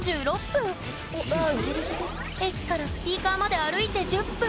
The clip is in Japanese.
駅からスピーカーまで歩いて１０分。